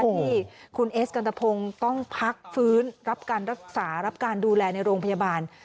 ที่คุณเอสกันตะพงศ์ต้องพักฟื้นรับการรักษารับการดูแลในโรงพยาบาล